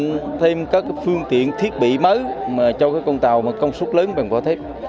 có thêm các phương tiện thiết bị mới cho con tàu công suất lớn bằng vỏ thép